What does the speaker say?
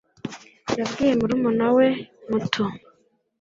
yabwiye murumuna we mutu